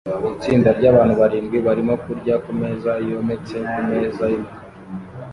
Itsinda ryabantu barindwi barimo kurya kumeza yometse kumeza yumukara